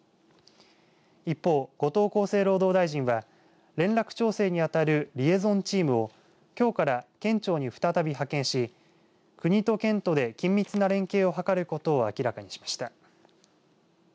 一方、後藤厚生労働大臣は連絡調整にあたるリエゾンチームをきょうから県庁に再び派遣し国と県とで緊密な連携を図ることを明らかにしました。